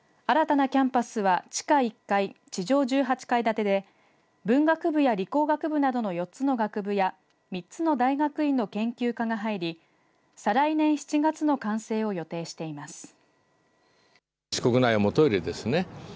新たなキャンパスは、地下１階地上１８階建てで文学部や理工学部などの４つの学部や３つの大学院の研究科が入り再来年７月の完成を予定しています。